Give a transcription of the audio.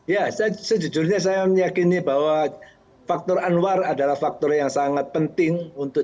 ya sejujurnya saya meyakini bahwa faktor anwar adalah faktor yang sangat penting untuk